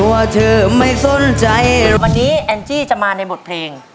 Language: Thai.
วันนี้แอนจี้จะมาในบทเพลง